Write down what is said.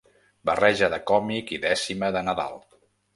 Barreja de còmic i dècima de Nadal.